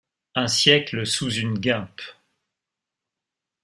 Un siècle sous une guimpe